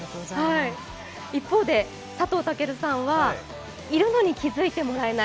一方で佐藤健さんは、いるのに気づいてもらえない。